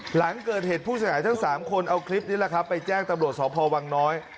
หลังเกิดเหตุผู้เสียหายทั้ง๓คนเอาคลิปนี้แหละครับไปแจ้งตำรวจสพวังน้อย